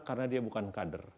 karena dia bukan kader